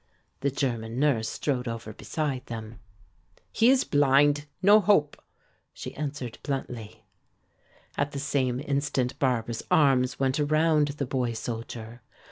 The German nurse strode over beside them. "He is blind; no hope!" she announced bluntly. At the same instant Barbara's arms went around the boy soldier.